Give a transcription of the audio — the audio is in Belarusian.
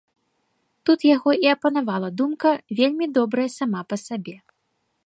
Тут яго і апанавала думка, вельмі добрая сама па сабе.